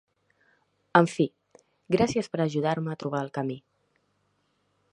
En fi, gràcies per ajudar-me a trobar el camí.